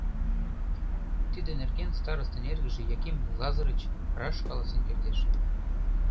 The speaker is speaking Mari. Тиде нерген старостын эргыже Яким Лазырыч раш каласен кертеш.